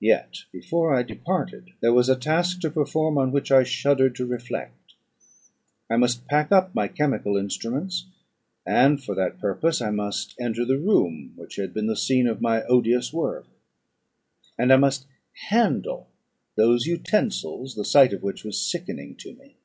Yet, before I departed, there was a task to perform, on which I shuddered to reflect: I must pack up my chemical instruments; and for that purpose I must enter the room which had been the scene of my odious work, and I must handle those utensils, the sight of which was sickening to me.